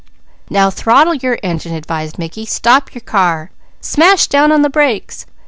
"Now throttle your engine," advised Mickey. "Stop your car! Smash down on the brakes!